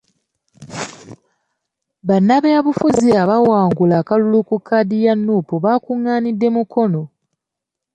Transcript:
Bannabyabufuzi abaawangulira akalulu ku kkaadi ya Nuupu bakungaanidde mu Mukono.